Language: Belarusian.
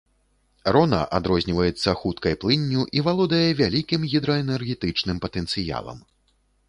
Рона адрозніваецца хуткай плынню і валодае вялікім гідраэнергетычным патэнцыялам.